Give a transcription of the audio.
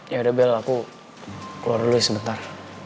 ya udah bel aku keluar dulu ya sebentar